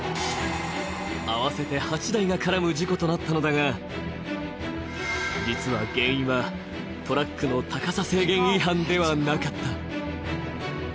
合わせて８台が絡む事故となったのだが実は原因はトラックの高さ制限違反ではなかった。